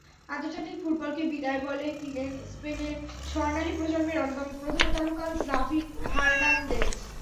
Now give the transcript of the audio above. আন্তর্জাতিক ফুটবলকে বিদায় বলে দিলেন স্পেনের স্বর্ণালী প্রজন্মের অন্যতম প্রধান তারকা জাভি হার্নান্দেজ।